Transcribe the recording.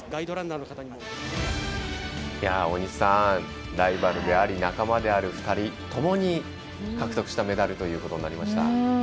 大西さんライバルであり仲間である２人ともに獲得したメダルとなりました。